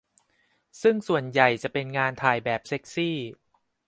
ซึ่งส่วนใหญ่จะเป็นงานถ่ายแบบเซ็กซี่